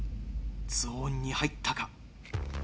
ゾーンに入ったか？